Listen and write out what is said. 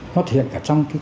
nó thể hiện cả trong cái